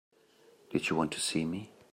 Did you want to see me?